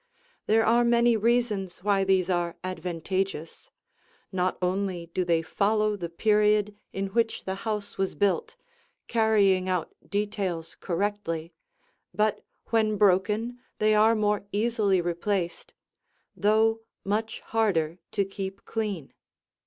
There are many reasons why these are advantageous: not only do they follow the period in which the house was built, carrying out details correctly, but when broken they are more easily replaced, though much harder to keep clean.